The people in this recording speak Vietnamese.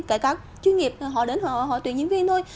kể cả chuyên nghiệp họ đến họ tuyển nhân viên thôi